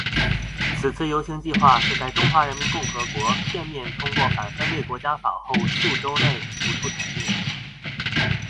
此次游行计画是在中华人民共和国片面通过反分裂国家法后数周内浮出台面。